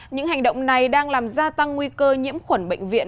những hành động này đang làm gia tăng nguy cơ nhiễm khuẩn bệnh viện